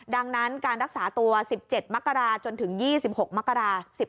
ดังนั้นการรักษาตัว๑๗มกราจนถึง๒๖มกรา๑๕